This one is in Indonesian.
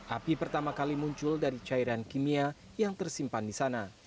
api pertama kali muncul dari cairan kimia yang tersimpan di sana